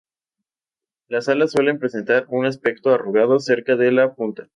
Las alas suelen presentar un aspecto arrugado cerca de la punta.